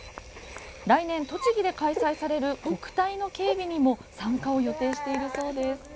来年、栃木で開催される国体の警備にも参加を予定しているそうです。